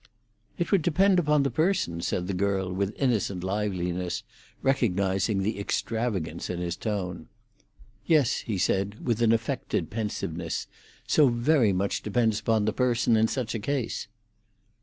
"It would depend upon the person," said the girl, with innocent liveliness, recognising the extravagance in his tone. "Yes," he said, with an affected pensiveness, "so very much depends upon the person in such a case."